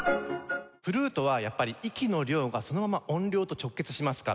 フルートはやっぱり息の量がそのまま音量と直結しますから。